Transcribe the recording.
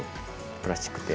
プラスチックって。